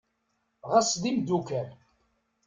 Ɣes d imddukal.